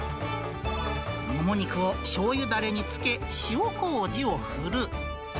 モモ肉をしょうゆだれに漬け、塩こうじを振る。